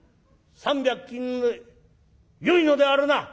３百金でよいのであるな？」。